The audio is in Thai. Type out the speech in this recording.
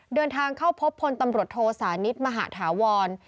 เดินทางเข้าพบพลตำรวจโทสานิทมหาธาวร